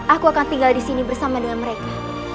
aku akan tinggal disini bersama dengan mereka